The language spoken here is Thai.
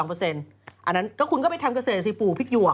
อันนั้นก็คุณก็ไปทำเกษตรสิปู่พริกหยวก